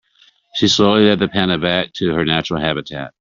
She slowly led the panda back to her natural habitat.